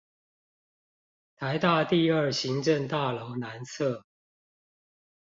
臺大第二行政大樓南側